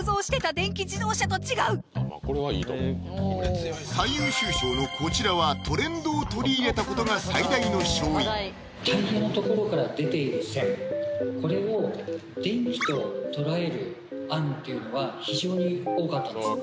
これはいいと思うわ最優秀賞のこちらはトレンドを取り入れたことが最大の勝因タイヤの所から出ている線これを電気と捉える案っていうのは非常に多かったんです